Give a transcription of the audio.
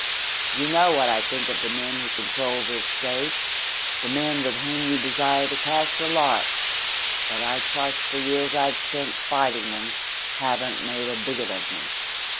You know what I think of the men who control this State, the men with whom you desire to cast your lot, but I trust the years I've spent fighting them haven't made a bigot of me.